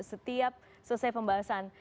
setiap selesai pembahasan